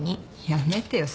やめてよ